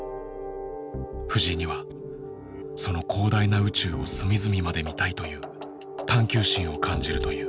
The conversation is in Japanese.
藤井にはその広大な宇宙を隅々まで見たいという探究心を感じるという。